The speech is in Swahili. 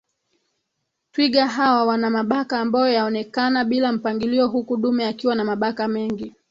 Twiga hawa wana mabaka ambayo yaonekana bila mpangilio huku dume akiwa na mabaka mengi